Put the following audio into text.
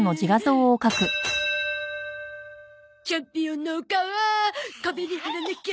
チャンピオンのお顔壁に貼らなきゃ！